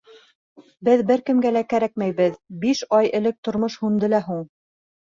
Беҙ бер кемгә лә кәрәкмәйбеҙ, биш ай элек тормош һүнде лә һуң.